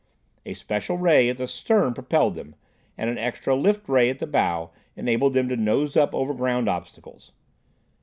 A special ray at the stern propelled them, and an extra lift ray in the bow enabled them to nose up over ground obstacles.